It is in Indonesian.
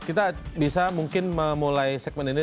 kita bisa mungkin memulai segmen ini